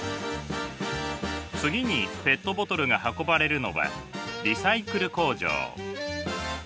次にペットボトルが運ばれるのはリサイクル工場。